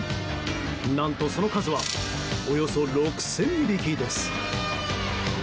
何と、その数はおよそ６０００匹です。